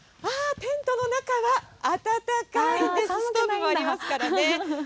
テントの中は暖かいんです、ストーブもありますからね。